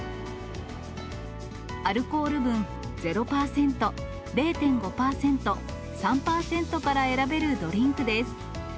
アルコール分０％、０．５％、３％から選べるドリンクです。